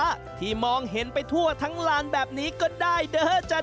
ให้ปราที่มองเห็นไปทั่วทั้งลานแบบนี้ก็ได้เดอะจริง